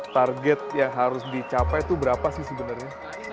target yang harus dicapai itu berapa sih sebenarnya